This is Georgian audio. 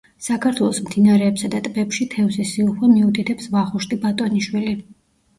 საქართველოს მდინარეებსა და ტბებში თევზის სიუხვე მიუთითებს ვახუშტი ბატონიშვილი.